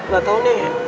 gak tau nih